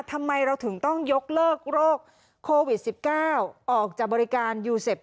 ทำไมเราถึงต้องยกเลิกโรคโควิด๑๙ออกจากบริการยูเซฟ